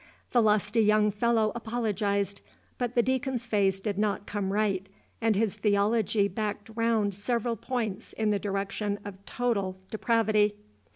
The lusty young fellow apologized; but the Deacon's face did not come right, and his theology backed round several points in the direction of total depravity.